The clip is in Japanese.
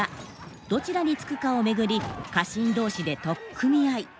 どちらにつくかを巡り家臣同士で取っ組み合い。